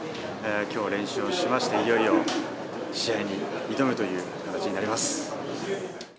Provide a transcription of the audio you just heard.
きょう、練習をしまして、いよいよ試合に挑むという形になります。